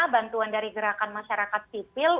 bantuan dari gerakan masyarakat sipil